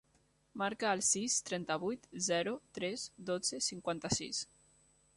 Marca el sis, trenta-vuit, zero, tres, dotze, cinquanta-sis.